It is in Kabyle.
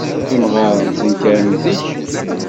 Imɣaren ttenkaren zik.